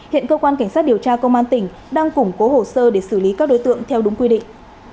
hiện cơ quan cảnh sát điều tra công an tỉnh đang củng cố hồ sơ để xử lý các đối tượng theo đúng quy định